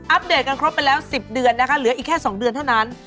เดตกันครบไปแล้ว๑๐เดือนนะคะเหลืออีกแค่๒เดือนเท่านั้น